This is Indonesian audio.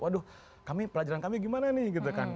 waduh pelajaran kami gimana nih gitu kan